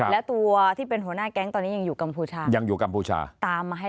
แล้วตัวที่เป็นหัวหน้าแก๊งตอนนี้ยังอยู่กัมพูชายังอยู่กัมพูชาตามมาให้